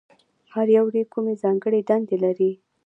هر یو یې کومې ځانګړې دندې لري؟